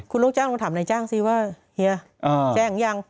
คุณลูกจ้างลองถามนายจ้างสิว่าเฮียแจ้งหรือยัง